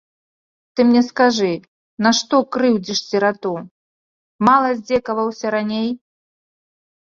Ты мне скажы, нашто крыўдзіш сірату, мала здзекаваўся раней?